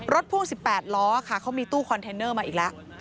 พ่วง๑๘ล้อค่ะเขามีตู้คอนเทนเนอร์มาอีกแล้ว